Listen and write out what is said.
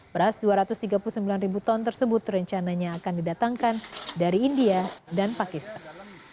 beras dua ratus tiga puluh sembilan ribu ton tersebut rencananya akan didatangkan dari india dan pakistan